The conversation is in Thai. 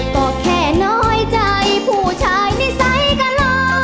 บอกแค่น้อยใจผู้ชายที่ใส่กะลอน